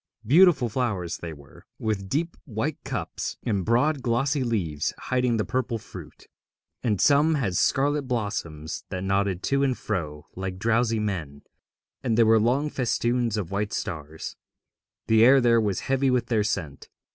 Beautiful flowers they were, with deep white cups and broad glossy leaves hiding the purple fruit; and some had scarlet blossoms that nodded to and fro like drowsy men, and there were long festoons of white stars. The air there was heavy with their scent.